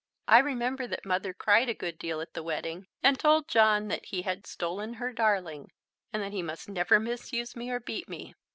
I remember that Mother cried a good deal at the wedding, and told John that he had stolen her darling and that he must never misuse me or beat me.